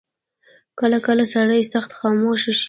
کله کله سړی سخت خاموشه شي.